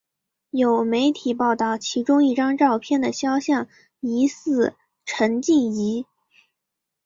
有媒体报道其中一张照片的肖像疑似陈静仪。